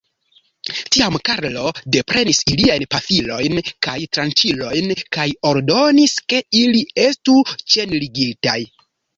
Tiam Karlo deprenis iliajn pafilojn kaj tranĉilojn, kaj ordonis, ke ili estu ĉenligataj.